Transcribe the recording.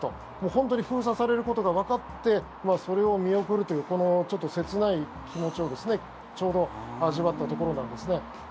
本当に封鎖されることがわかってそれを見送るというこのちょっと切ない気持ちをちょうど味わったところなんですね。